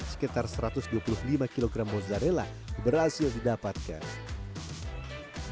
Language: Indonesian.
sekitar satu ratus dua puluh lima kg mozzarella berhasil didapatkan